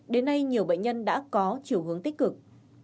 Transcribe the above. đến nay nhiều bệnh nhân đã có chiều hướng tích cực